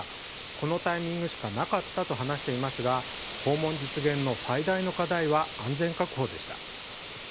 このタイミングしかなかったと話していますが訪問際限の最大の課題は安全確保でした。